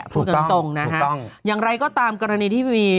พูดกันตรงนะฮะอย่างไรก็ตามกรณีที่มี